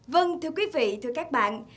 vâng thưa quý vị thưa các bạn